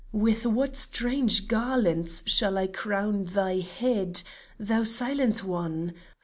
With what strange garlands shall I crown thy head, Thou silent One?